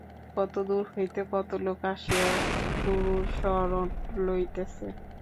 কত দূর হইতে কত লোক আসিয়া গুরুর শরণ লইতেছে।